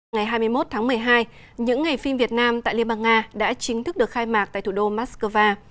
ngày hai mươi một tháng một mươi hai những ngày phim việt nam tại liên bang nga đã chính thức được khai mạc tại thủ đô moscow